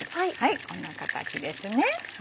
こんな形ですね。